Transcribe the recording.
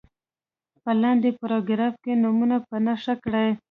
په لاندې پاراګراف کې نومونه په نښه کړي.